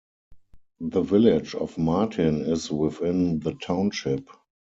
The village of Martin is within the township.